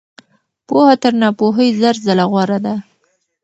پوهه تر ناپوهۍ زر ځله غوره ده.